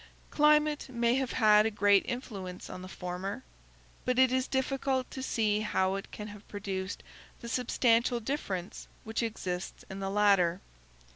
Climate may have had great influence on the former, but it is difficult to see how it can have produced the substantial difference which exists in the latter.